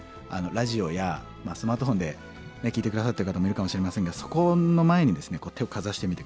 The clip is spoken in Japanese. ラジオやスマートフォンで聴いて下さってる方もいるかもしれませんがそこの前にですねこう手をかざしてみて下さい。